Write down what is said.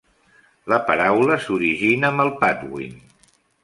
La paraula s'origina amb el Patwin.